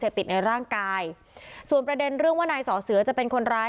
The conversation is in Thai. ติดในร่างกายส่วนประเด็นเรื่องว่านายสอเสือจะเป็นคนร้าย